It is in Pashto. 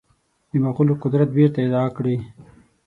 د مغولو قدرت بیرته اعاده کړي.